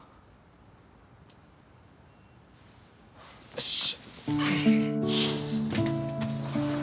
よし。